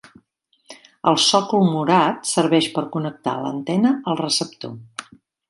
El sòcol morat serveix per connectar l'antena al receptor.